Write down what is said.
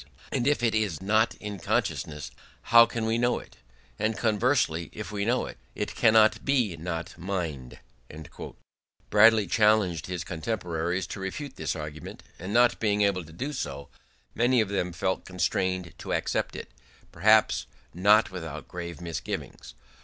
And if it is not in consciousness, how can we know it?... And conversely, if we know it, it cannot be not mind." Bradley challenged his contemporaries to refute this argument; and not being able to do so, many of them felt constrained to accept it, perhaps not without grave misgivings.